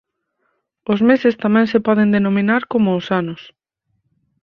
Os meses tamén se poden denominar como os anos.